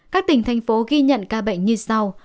các tỉnh thành phố ghi nhận ca bệnh như sau